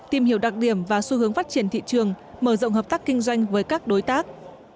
tìm hiểu đặc điểm và xu hướng phát triển thị trường mở rộng hợp tác kinh doanh với các đối tác